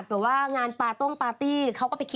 คุณพิ้งกี้